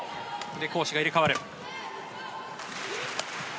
攻守が入れ替わる。